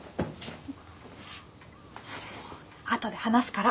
あとで話すから。